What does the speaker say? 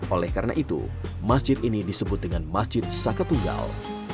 oleh karena itu masjid ini disebut dengan masjid saka tunggal